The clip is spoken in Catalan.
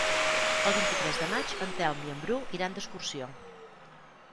El vint-i-tres de maig en Telm i en Bru iran d'excursió.